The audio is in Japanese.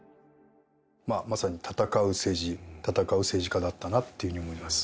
まさに戦う政治、戦う政治家だったなっていうふうに思います。